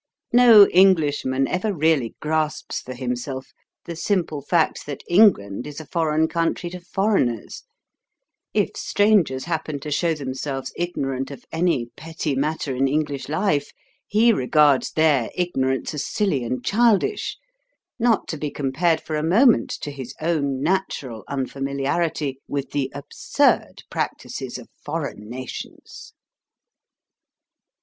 No Englishman ever really grasps for himself the simple fact that England is a foreign country to foreigners; if strangers happen to show themselves ignorant of any petty matter in English life, he regards their ignorance as silly and childish, not to be compared for a moment to his own natural unfamiliarity with the absurd practices of foreign nations.